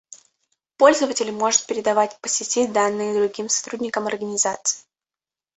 Пользователь может передавать по сети данные другим сотрудникам организации